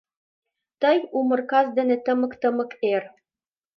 Тый — умыр кас ден тымык-тымык эр.